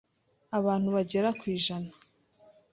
abantu bagera ku ijana